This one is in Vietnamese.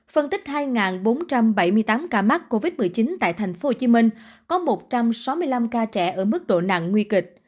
phân tích hai bốn trăm bảy mươi tám ca mắc covid một mươi chín tại tp hcm có một trăm sáu mươi năm ca trẻ ở mức độ nặng nguy kịch